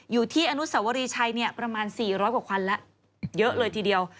อยู่ที่อนุสวรีชัยประมาณ๔๐๐กว่าควันแล้วเยอะเลยทีเดียว